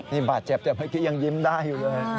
นี่บาดเจ็บแต่เมื่อกี้ยังยิ้มได้อยู่เลย